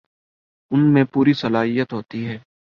ان میں پوری صلاحیت ہوتی ہے